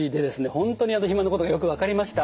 本当に肥満のことがよく分かりました。